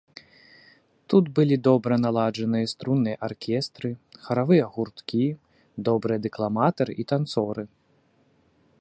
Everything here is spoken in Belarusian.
Тут былі добра наладжаныя струнныя аркестры, харавыя гурткі, добрыя дэкламатары і танцоры.